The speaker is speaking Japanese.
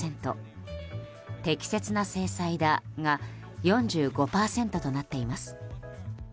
適切な制裁だ、が４５％となっています。